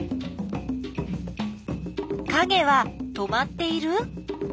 かげは止まっている？